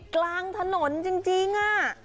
กลางถนนจริง